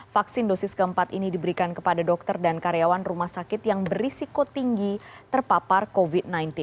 vaksin dosis keempat ini diberikan kepada dokter dan karyawan rumah sakit yang berisiko tinggi terpapar covid sembilan belas